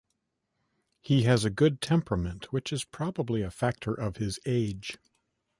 He has a good temperament, which is probably a factor of his age.